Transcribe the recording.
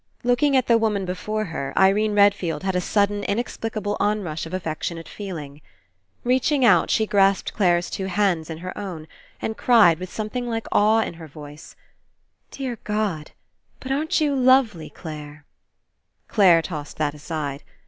Looking at the woman before her, Irene Redfield had a sudden inexplicable onrush of affectionate feeling. Reaching out, she grasped Clare's two hand in her own and cried with something like awe in her voice: "Dear God! But aren't you lovely, Clare!" Clare tossed that aside.